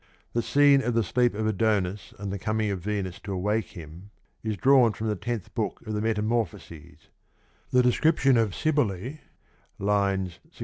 The scene of the sleep of Adonis and the coming of Venus to awake him is drawn from the tenth book of the Metamorphoses; the description of Cybele (II.